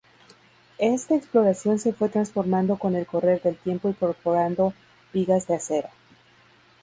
Esta exploración se fue transformando con el correr del tiempo incorporando vigas de acero.